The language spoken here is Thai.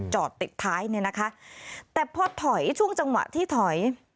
ติดท้ายเนี่ยนะคะแต่พอถอยช่วงจังหวะที่ถอย